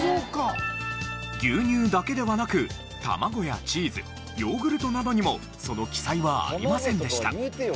牛乳だけではなく卵やチーズヨーグルトなどにもその記載はありませんでした。